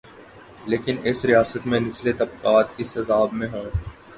لیکن اس ریاست میں نچلے طبقات اس عذاب میں ہوں۔